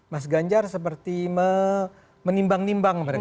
mas ganjar seperti menimbang nimbang mereka